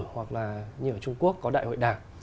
hoặc là như ở trung quốc có đại hội đảng